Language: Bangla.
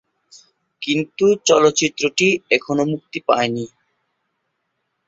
কিন্তু চলচ্চিত্রটি এখনও মুক্তি পায়নি।